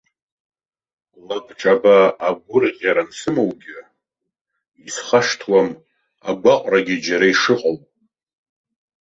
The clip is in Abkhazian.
Лабҿаба, агәырӷьара ансымоугьы, исхашҭуам агәаҟрагьы џьара ишыҟоу.